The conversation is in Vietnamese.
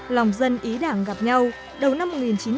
lòng dân ý đảng gặp nhau đầu năm một nghìn chín trăm bảy mươi